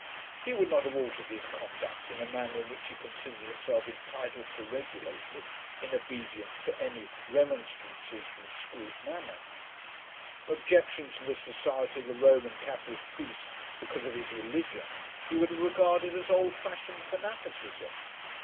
He would not have altered his conduct in a matter in which he considered himself entitled to regulate it, in obedience to any remonstrances from Scroope Manor. Objections to the society of a Roman Catholic priest because of his religion he would have regarded as old fashioned fanaticism.